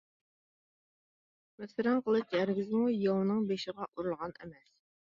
مىسران قىلىچ ھەرگىزمۇ ياۋنىڭ بېشىغا ئۇرۇلغان ئەمەس.